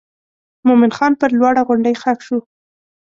مومن خان پر لوړه غونډۍ ښخ شو.